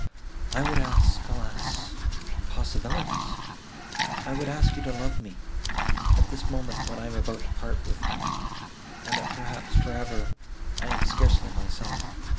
I would ask, alas! impossibilities: I would ask you to love me! At this moment, when I am about to part with you, and that, perhaps, for ever, I am scarcely myself.